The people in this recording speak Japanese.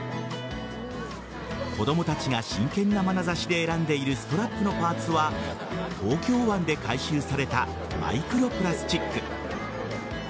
子供たちが真剣なまなざしで選んでいるストラップのパーツは東京湾で回収されたマイクロプラスチック。